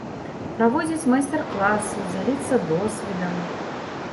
Праводзіць майстар-класы, дзяліцца досведам.